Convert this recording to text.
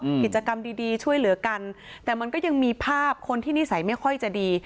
กิจกรรมดีดีช่วยเหลือกันแต่มันก็ยังมีภาพคนที่นิสัยไม่ค่อยจะดี